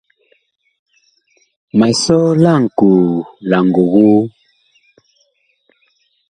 Ma sɔ laŋkoo la ngogoo.